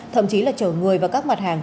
thậm chí là chở người và các mặt hàng